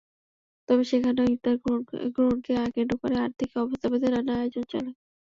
তবে সেখানেও ইফতার গ্রহণকে কেন্দ্র করে আর্থিক অবস্থাভেদে নানা আয়োজন চলে।